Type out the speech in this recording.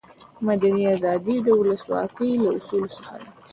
مدني آزادي د ولسواکي له اصولو څخه ده.